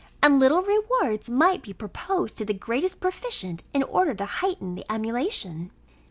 And little rewards might be proposed to the greatest proficient, in order to heighten the emulation.